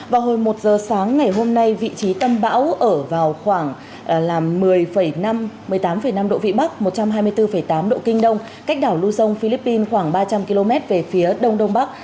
vào hồi một giờ sáng ngày hôm nay vị trí tâm bão ở vào khoảng một mươi tám năm độ vị bắc một trăm hai mươi bốn tám độ kinh đông cách đảo lưu dông philippines khoảng ba trăm linh km về phía đông đông bắc